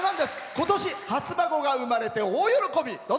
ことし初孫が産まれて大喜び。